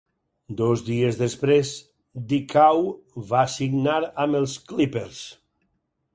Dos dies després, Dickau va signar amb els Clippers.